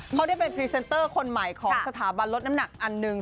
เขาเป็นพรีเซนเตอร์คนใหม่มาภารกิจของสถาบันน้ำหนักอันนึง